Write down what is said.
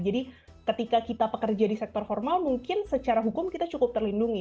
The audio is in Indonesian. jadi ketika kita pekerja di sektor formal mungkin secara hukum kita cukup terlindungi